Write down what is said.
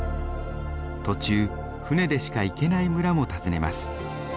途中船でしか行けない村も訪ねます。